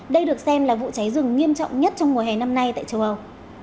đây được xem là vụ cháy rừng nghiêm trọng nhất trong mùa hè năm nay tại châu âu